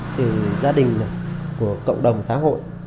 từ gia đình của cộng đồng xã hội